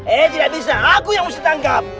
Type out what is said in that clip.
eh tidak bisa aku yang harus ditangkap